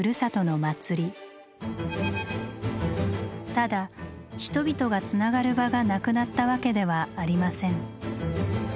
ただ人々が「つながる」場がなくなったわけではありません。